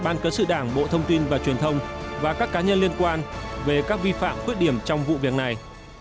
ban cấn sự đảng bộ thông tin và truyền thông và các cá nhân liên quan về các vi phạm khuyết điểm trong vụ việc này